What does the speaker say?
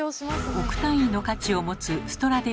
億単位の価値を持つストラディヴァリウス。